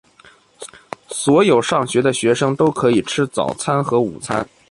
所有上学的学生都可以吃早餐和午餐。